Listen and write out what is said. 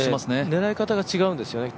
狙い方が違うんですよね。